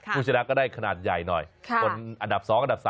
ผู้ชนะก็ได้ขนาดใหญ่หน่อยคนอันดับ๒อันดับ๓